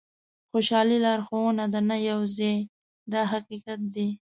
خوشالي لارښوونه ده نه یو ځای دا حقیقت دی.